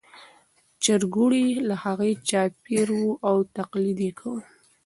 چرګوړي له هغې چاپېر وو او تقلید یې کاوه.